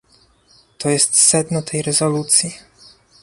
to jest sedno tej rezolucji